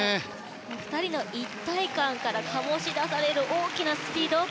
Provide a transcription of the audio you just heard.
２人の一体感から醸し出される大きなスピード。